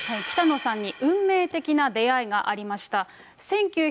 北野さんに運命的な出会いがありました。